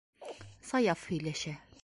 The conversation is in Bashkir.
Саяф һөйләшә.